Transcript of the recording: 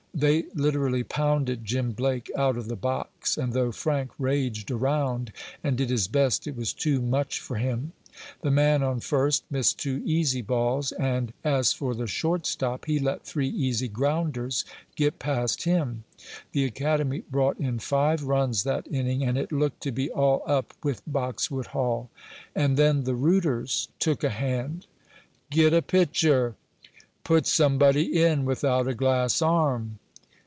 They literally pounded Jim Blake out of the box, and though Frank raged around, and did his best, it was too much for him. The man on first missed two easy balls, and as for the short stop he let three easy grounders get past him. The academy brought in five runs that inning and it looked to be all up with Boxwood Hall. And then the rooters took a hand. "Get a pitcher!" "Put somebody in without a glass arm!"